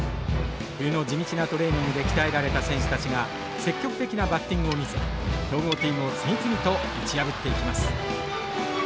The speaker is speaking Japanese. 冬の地道なトレーニングで鍛えられた選手たちが積極的なバッティングを見せ強豪チームを次々と打ち破っていきます。